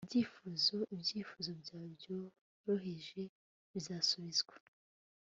ibyifuzo! ibyifuzo byawe byoroheje bizasubizwa